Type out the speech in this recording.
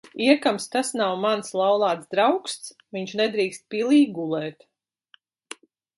Iekams tas nav mans laulāts draugs, viņš nedrīkst pilī gulēt.